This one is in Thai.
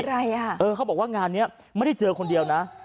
อะไรอ่ะเออเขาบอกว่างานนี้ไม่ได้เจอคนเดียวนะ